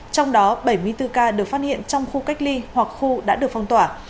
trong đó bảy mươi bốn ca được phát hiện trong khu cách ly hoặc khu đã được phong tỏa